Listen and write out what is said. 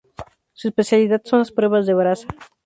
Su especialidad son las pruebas de braza.